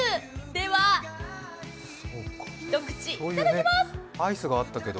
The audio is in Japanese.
では、ひと口いただきます。